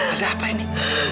ada apa ini